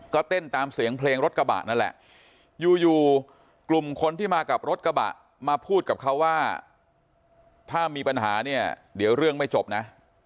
ก็เต้นตามเสียงเพลงรถกระบะนั่นแหละอยู่อยู่กลุ่มคนที่มากับรถกระบะมาพูดกับเขาว่าถ้ามีปัญหาเนี่ยเดี๋ยวเรื่องไม่จบนะ